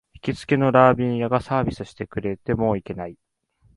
行きつけのラーメン屋がサービスしてくれて、もう行けない